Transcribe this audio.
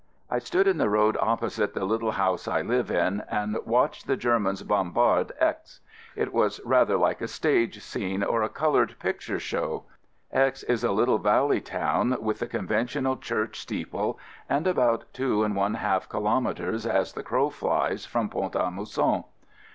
I stood in the road opposite the little house I live in and watched the Germans bombard X . It was rather like a stage scene or a colored picture show. X is a little valley town with the conventional church steeple about two 20 AMERICAN AMBULANCE and one half kilometres as the crow flies from Pont a Mousson.